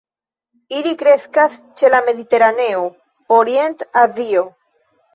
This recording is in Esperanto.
Ili kreskas ĉe la Mediteraneo, Orient-Azio.